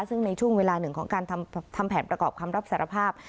ซึ่งในช่วงเวลาหนึ่งของการทำแผนประกอบคำรับสารภาพ